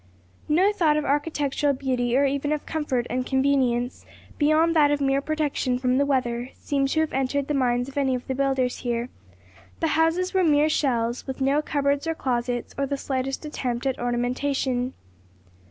No thought of architectural beauty or even of comfort and convenience, beyond that of mere protection from the weather, seemed to have entered the minds of any of the builders here; the houses were mere shells; with no cupboards or closets or the slightest attempt at ornamentation.